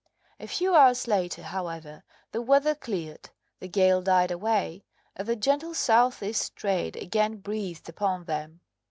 A few hours later, however, the weather cleared, the gale died away, and the gentle south east trade again breathed upon them.